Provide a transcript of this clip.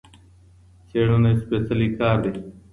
څېړنه یو سپیڅلی کار دی.